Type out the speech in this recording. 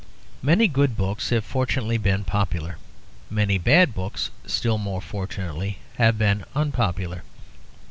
Many good books have fortunately been popular; many bad books, still more fortunately, have been unpopular.